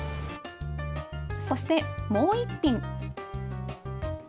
そして、もう一品。